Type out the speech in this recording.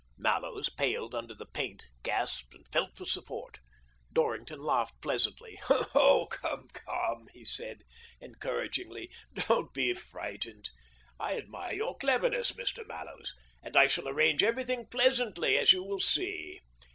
Mallows paled under the paint, gasped, and felt for support. Dorrington laughed pleasantly. " Come, come," he said, " don't be frightened. I admire your cleverness, Mr. Mallows, and I shall arrange everything pleasantly, as you will see.